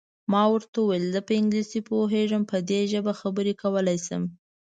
ما ورته وویل: زه په انګلیسي پوهېږم، په دې ژبه خبرې کولای شم.